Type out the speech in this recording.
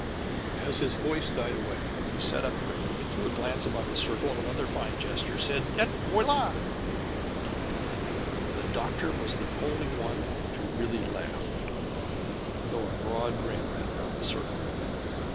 As his voice died away, he sat upright quickly, threw a glance about the circle, and, with another fine gesture said: "Et voila!" The Doctor was the only one to really laugh, though a broad grin ran round the circle.